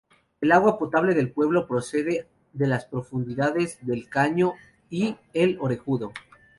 El agua potable del pueblo procede de las fuentes del Caño y El Orejudo.